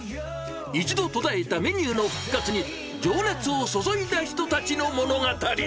一度途絶えたメニューの復活に情熱を注いだ人たちの物語。